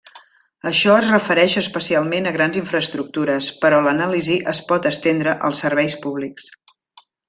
Això es refereix especialment a grans infraestructures, però l'anàlisi es pot estendre als serveis públics.